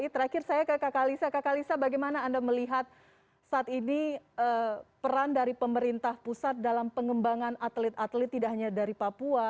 terakhir saya ke kakak alisa kakak lisa bagaimana anda melihat saat ini peran dari pemerintah pusat dalam pengembangan atlet atlet tidak hanya dari papua